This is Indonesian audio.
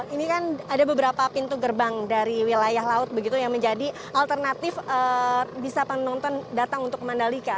ini kan ada beberapa pintu gerbang dari wilayah laut begitu yang menjadi alternatif bisa penonton datang untuk ke mandalika